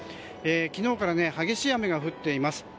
昨日から激しい雨が降っています。